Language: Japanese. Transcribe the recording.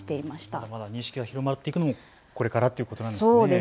まだまだ認識が広まっていくのもこれからということなんですね。